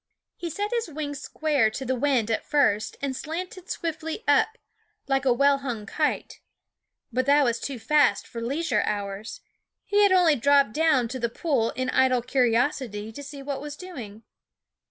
He set his wings square to the wind at first and slanted swiftly up, like a well hung SCHOOL OF kite. But that was too fast for leisure hours. 312 He had only dropped down to the pool in idle curiosity to see what was doing.